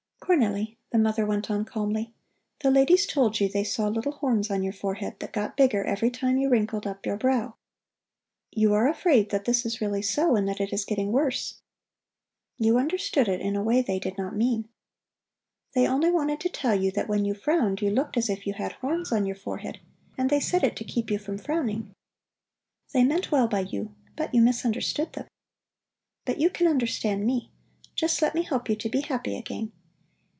"Cornelli," the mother went on calmly, "the ladies told you they saw little horns on your forehead, that got bigger every time you wrinkled up your brow. You are afraid that this is really so and that it is getting worse. You understood it in a way they did not mean. They only wanted to tell you that when you frowned you looked as if you had horns on your forehead, and they said it to keep you from frowning. They meant well by you, but you misunderstood them. But you can understand me. Just let me help you to be happy again.